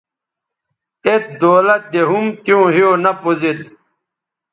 ایت دولت دے ھُم تیوں ھِیو نہ پوزید